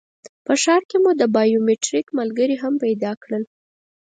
په ښار کې مو د بایومټریک ملګري هم پیدا کړل.